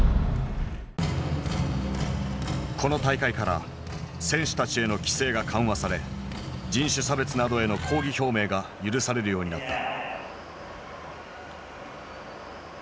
この大会から選手たちへの規制が緩和され人種差別などへの抗議表明が許されるようになった。